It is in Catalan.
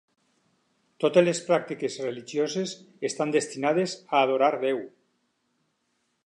Totes les pràctiques religioses estan destinades a adorar Déu.